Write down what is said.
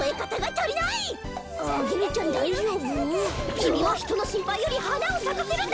きみはひとのしんぱいよりはなをさかせるんだ。